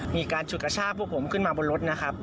มีการฉุดกระชากพวกผมขึ้นมาบนรถนะครับ